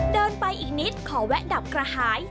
เดินไปอีกนิดขอแวะดับกระหาย